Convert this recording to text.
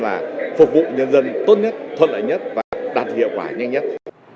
và phục vụ nhân dân tốt nhất thuận lợi nhất và đạt hiệu quả nhanh nhất